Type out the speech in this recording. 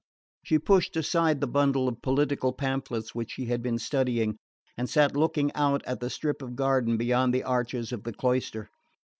She pushed aside the bundle of political pamphlets which she had been studying, and sat looking out at the strip of garden beyond the arches of the cloister.